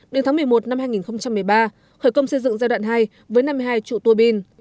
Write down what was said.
đến tháng một mươi một năm hai nghìn một mươi ba khởi công xây dựng giai đoạn hai với năm mươi hai trụ tùa pin